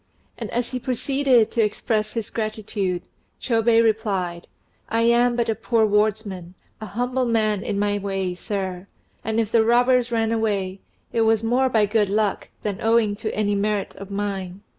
And as he proceeded to express his gratitude, Chôbei replied "I am but a poor wardsman, a humble man in my way, sir; and if the robbers ran away, it was more by good luck than owing to any merit of mine.